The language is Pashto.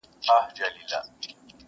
هم یې زامه هم یې پزه ماتومه!